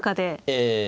ええ。